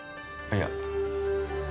いや